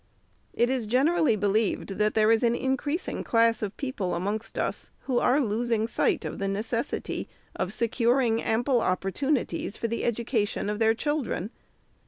It is generally believed, that there is an increasing class of people amongst us, who are losing sight of the necessity of securing ample op portunities for the education of their children.